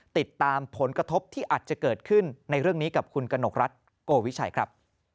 ติดตามผลกระทบที่อาจจะเกิดขึ้นในเรื่องนี้กับคุณกนกรัฐโกวิชัยครับ